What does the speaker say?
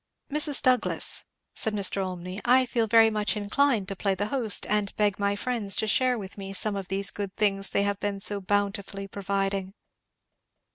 "Mrs. Douglass," said Mr. Olmney, "I feel very much inclined to play the host, and beg my friends to share with me some of these good things they have been so bountifully providing."